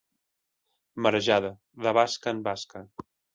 Marejada, de basca en basca.